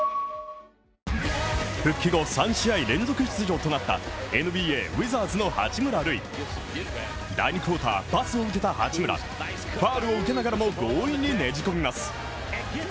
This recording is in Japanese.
復帰後３試合連続出場となったＮＢＡウィザーズの八村塁第２クォーター、パスを受けた八村はファールを受けながらも強引にねじ込みます。